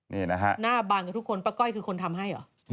แวะมาหาป้าก้อยทีหน้าบ้านกับทุกคนป้าก้อยคือคนทำให้หรือ